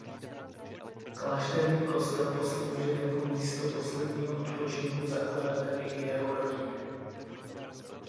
Klášterní kostel posloužil jako místo posledního odpočinku zakladateli i jeho rodině.